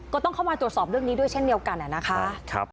ก็ต้องเข้ามาตรวจสอบเรื่องนี้ด้วยเช่นเดียวกันนะคะ